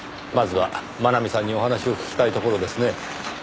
まずは真奈美さんにお話を聞きたいところですねぇ。